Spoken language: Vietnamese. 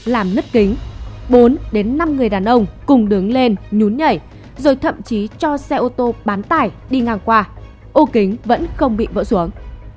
làm nứt kính bốn đến năm người đàn ông cùng đứng lên nhún nhảy rồi thậm chí cho xe ô tô bán tải đi ngang qua ô kính vẫn không bị vỡ xuống